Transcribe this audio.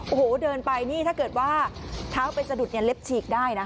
โอ้โหเดินไปนี่ถ้าเกิดว่าเท้าไปสะดุดเนี่ยเล็บฉีกได้นะ